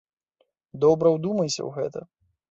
Добра ўдумайся ў гэта.